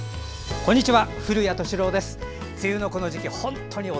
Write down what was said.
こんにちは。